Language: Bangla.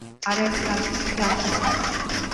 আর এক কাপ চা খাও।